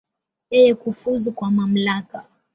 Yeye kufuzu kwa mamlaka.